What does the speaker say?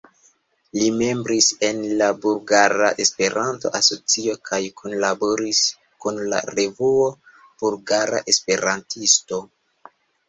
Li membris en la Bulgara Esperanto-Asocio kaj kunlaboris kun la revuo "Bulgara Esperantisto".